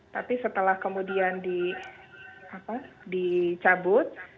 tapi setelah kemudian dicabut